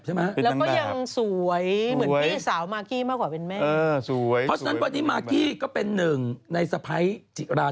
เพราะฉะนั้นวันนี้มากี้ก็เป็นหนึ่งในสะพัยราธิวัฒน์ที่เรียบร้อยแล้ว